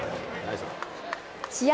試合